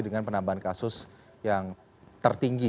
dengan penambahan kasus yang tertinggi